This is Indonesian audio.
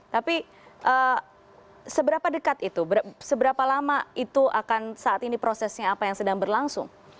tapi seberapa dekat itu seberapa lama itu akan saat ini prosesnya apa yang sedang berlangsung